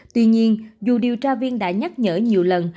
tuy nhiên dù điều tra viên đã nhắc nhở nhiều lần